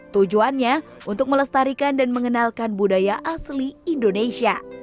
tujuannya untuk melestarikan dan mengenalkan budaya asli indonesia